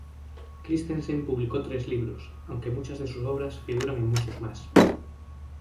Christensen publicó tres libros, aunque muchas de sus obras figuran en muchos más.